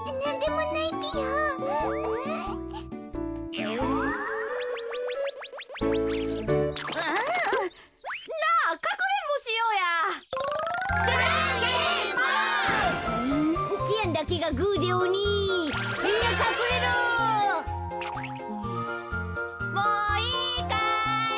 もういいかい？